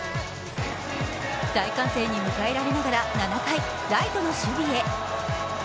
大歓声に迎えられながら７回、ライトの守備へ。